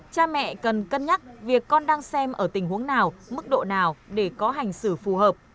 cha mẹ cần cân nhắc việc con đang xem ở tình huống nào mức độ nào để có hành xử phù hợp